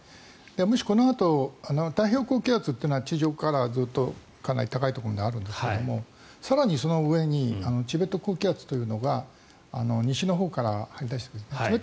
もし、このあと太平洋高気圧というのは地上からかなり高いところにあるんですが更に、その上にチベット高気圧というのが西のほうから張り出してくる。